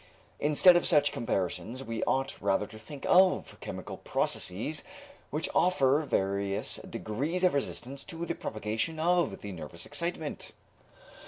Instead of such comparisons, we ought rather to think of chemical processes which offer various degrees of resistance to the propagation of the nervous excitement.